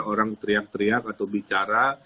orang teriak teriak atau bicara